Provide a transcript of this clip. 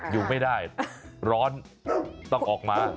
อยู่ไม่ได้ร้อนต้องออกมา